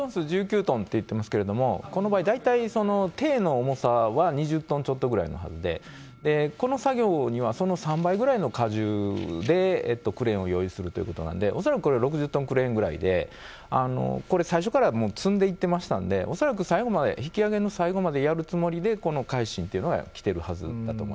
１９トンっていってますけど、この場合、大体艇の重さは２０トンちょっとぐらいのはずで、この作業にはその３倍ぐらいの荷重でクレーンを用意するということなんで、恐らくこれ、６０トンクレーンぐらいで、これ、最初からもう積んでいってましたんで、恐らく最後まで、引き上げの最後までやるつもりでこの海進というのはきてるはずだ